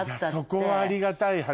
そこはありがたい話で。